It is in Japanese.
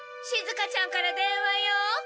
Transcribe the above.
しずかちゃんから電話よ。